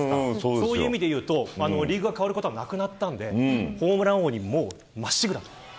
そういう意味で言うとリーグが変わることはなくなったのでホームラン王にまっしぐらと。